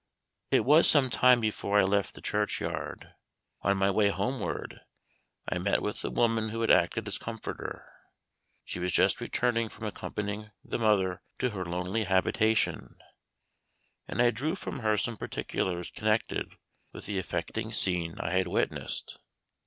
It was some time before I left the churchyard. On my way homeward, I met with the woman who had acted as comforter: she was just returning from accompanying the mother to her lonely habitation, and I drew from her some particulars connected with the affecting scene I had witnessed.